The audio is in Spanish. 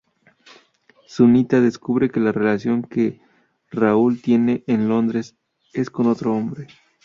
Sunita descubre que la relación que Rahul tiene en Londres es con otro hombre.